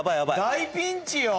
大ピンチよ。